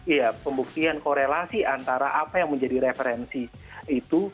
iya pembuktian korelasi antara apa yang menjadi referensi itu